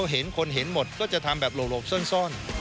เห็นคนเห็นหมดก็จะทำแบบหลบซ่อน